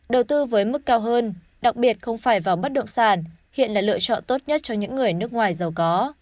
đầu tư với mức cao hơn đặc biệt không phải vào bất động sản hiện là lựa chọn tốt nhất cho những người nước ngoài giàu có